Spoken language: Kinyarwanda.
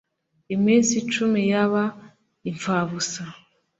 iminsi icumi yaba ipfabusa.